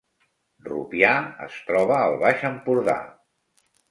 Rupià es troba al Baix Empordà